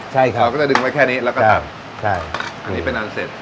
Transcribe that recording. ใช่ครับเราก็จะดึงไว้แค่นี้แล้วก็ตัดใช่อันนี้เป็นอันเสร็จ